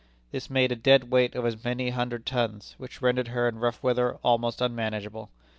This made a dead weight of as many hundred tons, which rendered her in rough weather almost unmanageable.